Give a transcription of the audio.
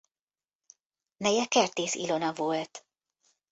Neje Kertész Ilona volt.